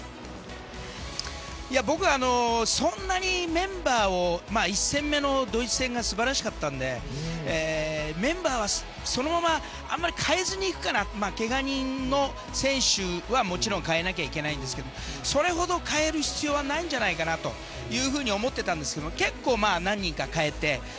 僕はそんなにメンバーを１戦目のドイツ戦が素晴らしかったのでメンバーはそのままあまり代えずに行くかな怪我人の選手はもちろん代えなきゃいけないですがそれほど代える必要はないんじゃないかなと思っていたんですが結構何人か代えて。